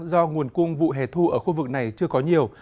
do nguồn cung vụ hè thu ở khu vực này chưa có nhiều